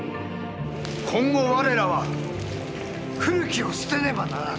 今後吾れらは古きを捨てねばならぬ。